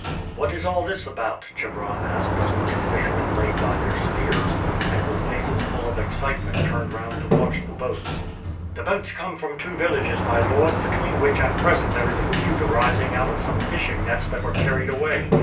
"What is all this about?" Chebron asked as the two fishermen laid by their spears, and with faces full of excitement turned round to watch the boats. "The boats come from two villages, my lord, between which at present there is a feud arising out of some fishing nets that were carried away.